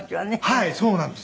はいそうなんですよ。